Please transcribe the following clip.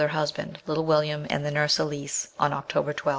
her husband,, little William, and the nurse Elise, on October 12.